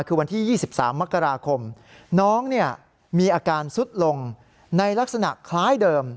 คือวันที่๒๓มกราคมน้องเนี่ยมีอาการสุดลงในลักษณะคล้ายเดิม